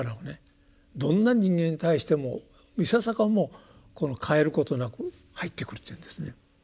どんな人間に対してもいささかもこの変えることなく入ってくるというんですね。